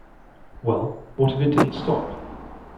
Well, what if it didn't stop?